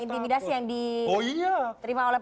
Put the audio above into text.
intimidasi yang diterima oleh